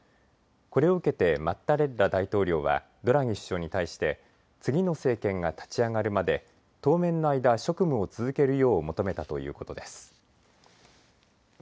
これを受けてマッタレッラ大統領はドラギ首相に対して次の政権が立ち上がるまで当面の間職務を続けるよう求めたということです。